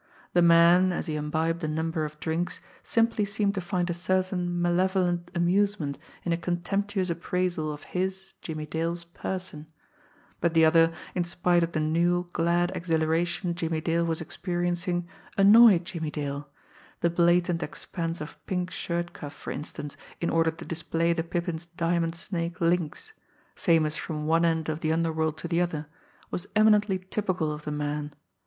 The man, as he imbibed a number of drinks, simply seemed to find a certain: malevolent amusement in a contemptuous appraisal of his, Jimmie Dale's, person; but the other, in spite of the new, glad exhilaration Jimmie Dale was experiencing, annoyed Jimmie Dale the blatant expanse of pink shirt cuff, for instance, in order to display the Pippin's diamond snake links, famous from One end of the underworld to the other, was eminently typical of the man.